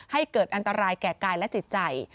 ให้เกิดอันตรายแก่กายและจิตใจ